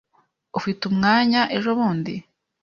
Ufite umwanya ejobundi?